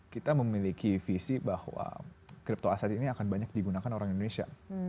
kita memiliki visi bahwa crypto aset ini akan banyak digunakan orang indonesia